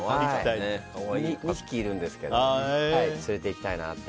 ２匹いるんですけど連れていきたいなって。